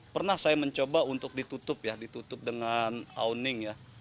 pernah saya mencoba untuk ditutup ya ditutup dengan owning ya